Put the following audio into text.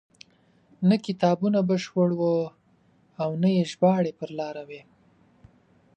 نه کتابونه بشپړ وو او نه یې ژباړې پر لار وې.